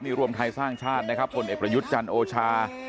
นี่รวมไทยสร้างชาตินะครับผลเอกประยุทธ์จันทร์โอชา